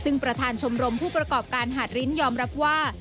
ซึ่งประธานชมรมผู้ประกอบการหาดริ้นยอมรับว่า